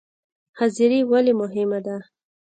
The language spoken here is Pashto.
حاضري ولې مهمه ده؟